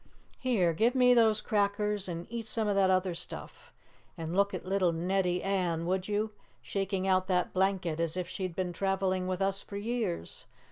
Here, give me those crackers and eat some of that other stuff. And look at little Netty Ann, would you, shaking out that blanket as if she'd been traveling with us for years.